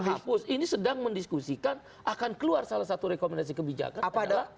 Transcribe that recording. menghapus ini sedang mendiskusikan akan keluar salah satu rekomendasi kebijakan adalah